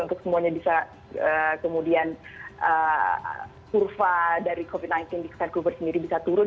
untuk semuanya bisa kemudian kurva dari covid sembilan belas di vancouver sendiri bisa turun